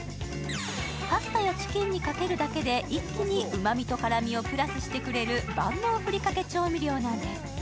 パスタやチキンにかけるだけで一気にうまみと辛みをプラスしてくれる万能調味料なんです。